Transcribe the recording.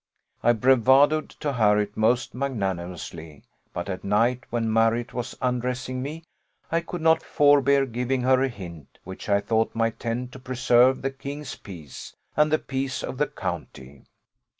I bravadoed to Harriot most magnanimously; but at night, when Marriott was undressing me, I could not forbear giving her a hint, which I thought might tend to preserve the king's peace, and the peace of the county.